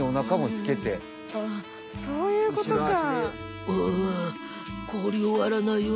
そういうことか。